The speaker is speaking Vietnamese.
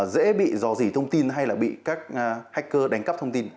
dễ bị dò dỉ thông tin hay là bị các hacker đánh cắp thông tin